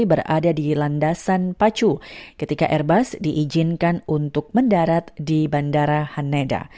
berada di landasan pacu ketika airbus diizinkan untuk mendarat di bandara haneda